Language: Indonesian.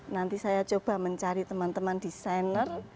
nanti saya coba mencari teman teman desainer